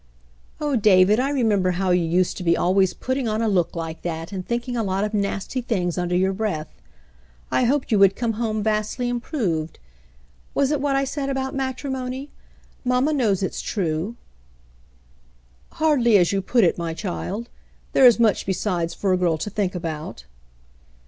"Oh, David, I remember how you used to be always putting on a look like that, and thinking a lot of nasty things under your breath. I hoped you would come home vastly improved. Was it what I said about matrimony ? Mamma knows it's true." "Hardly as you put it, my child ; there is much besides for a girl to think about."